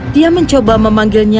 dia mencoba memanggilnya